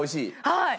はい。